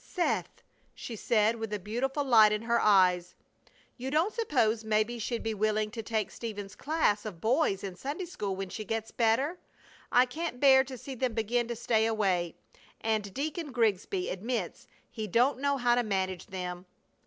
"Seth!" she said, with a beautiful light in her eyes. "You don't suppose maybe she'd be willing to take Stephen's class of boys in Sunday school when she gets better? I can't bear to see them begin to stay away, and Deacon Grigsby admits he don't know how to manage them."